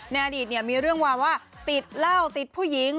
ในอดีตมีเรื่องวาวว่าติดเหล้าติดผู้หญิง